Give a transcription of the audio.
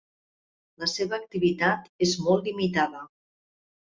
La seva activitat és molt limitada.